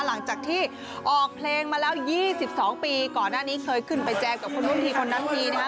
หลังจากที่ออกเพลงมาแล้ว๒๒ปีก่อนหน้านี้เคยขึ้นไปแจมกับคนนู้นทีคนนั้นทีนะฮะ